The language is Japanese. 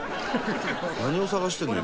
「何を探してるの？